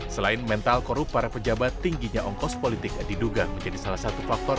selain mental korup para pejabat tingginya ongkos politik diduga menjadi salah satu faktor